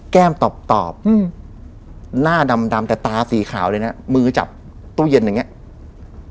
แก้มตอบตอบอืมหน้าดำแต่ตาสีขาวเลยนะมือจับตู้เย็นอย่างเงี้ย